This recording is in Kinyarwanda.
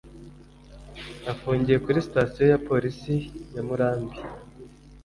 afungiye kuri sitasiyo ya Polisi ya Murambi